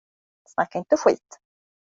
Snacka inte skit!